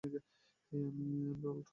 হেই, আমি Emerald Heywood.